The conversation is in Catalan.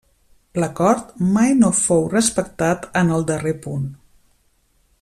L'acord mai no fou respectat en el darrer punt.